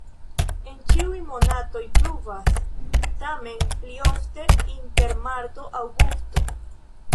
En ĉiuj monatoj pluvas, tamen pli ofte inter marto-aŭgusto.